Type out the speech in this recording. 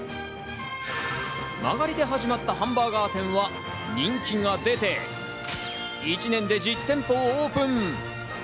間借りで始まったハンバーガー店は人気が出て一年で実店舗をオープン。